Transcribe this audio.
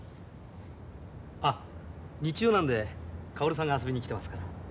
あっ日曜なんでかおるさんが遊びに来てますから。